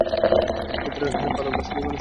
অনেকক্ষেত্রে পালক বাসা নির্মাণে সহায়তা করে।